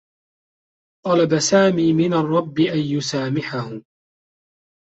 طلب سامي من الرّبّ أن يسامحه.